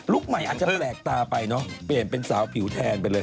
ใหม่อาจจะแปลกตาไปเนอะเปลี่ยนเป็นสาวผิวแทนไปเลย